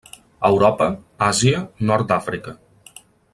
Europa, Àsia, nord d'Àfrica.